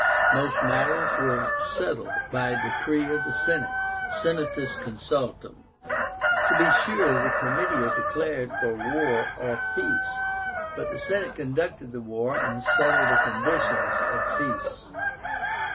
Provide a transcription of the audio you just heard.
Most matters were settled by a DECREE OF THE SENATE (Senatus Consultum). To be sure the Comitia declared for war or peace, but the Senate conducted the war and settled the conditions of peace.